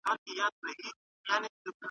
هر انسان باید د خپل ذوق مطابق کتاب ولولي.